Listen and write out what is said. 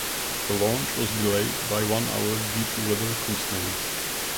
The launch was delayed by one hour due to weather constraints.